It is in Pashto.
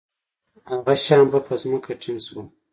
هغه شیان به په ځمکه ټینګ شول.